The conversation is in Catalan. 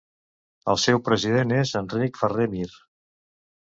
El seu president és Enric Ferrer Mir.